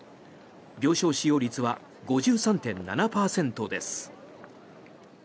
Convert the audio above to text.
病床使用率は５３．７％です。